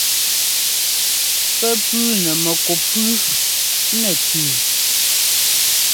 Pɛ́ pʉʉnɛ mɛkup pʉʉ nɛ́ tʉ́.